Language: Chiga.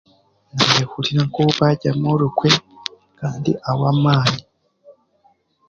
Naayehurira nka ou baaryamu orukwe, kandi ahwa amaani.